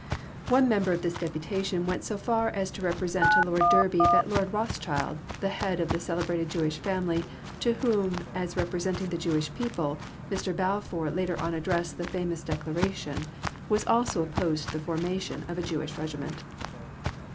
One member of this Deputation went so far as to represent to Lord Derby that Lord Rothschild, the head of the celebrated Jewish family, to whom, as representing the Jewish people, Mr. Balfour later on addressed the famous declaration, was also opposed to the formation of a Jewish Regiment.